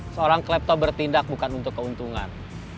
seorang klepto bertindak bukan untuk keuntungan